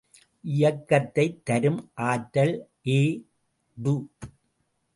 இயக்கத்தைத் தரும் ஆற்றல், எ டு.